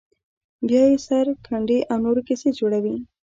بیا یې سره ګنډي او نوې کیسې جوړوي.